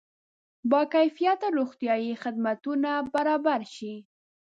با کیفیته روغتیایي خدمتونه برابر شي.